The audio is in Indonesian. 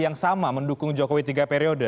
yang sama mendukung jokowi tiga periode